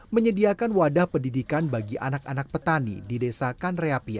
menyediakan wadah pendidikan bagi anak anak petani di desa kanreapia